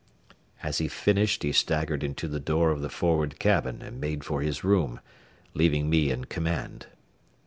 As he finished he staggered into the door of the forward cabin and made for his room, leaving me in command.